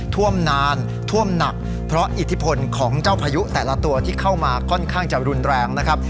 ท่วมนานท่วมหนักเพราะอิทธิพลของเจ้าพายุแต่ละตัวที่เข้ามาค่อนข้างจะรุนแรงนะครับ